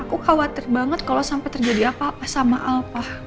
aku khawatir banget kalo sampai terjadi apa apa sama al pak